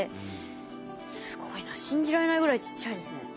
信じられないぐらいちっちゃいですね。